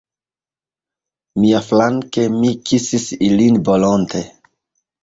Miaflanke, mi kisis ilin volonte.